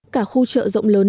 cả khu chợ rộng lớn